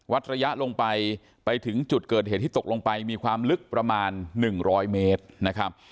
ระยะลงไปไปถึงจุดเกิดเหตุที่ตกลงไปมีความลึกประมาณ๑๐๐เมตรนะครับ